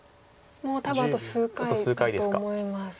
もう多分あと数回だと思います。